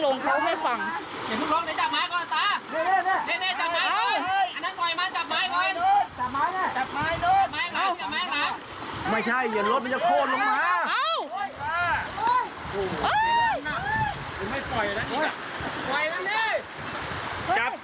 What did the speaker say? ลงไปกันน้ำเดี๋ยวลงไปไม่ได้น้ำเลียบครับอย่าขยับ